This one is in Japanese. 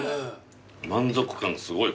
満足感すごいこれ。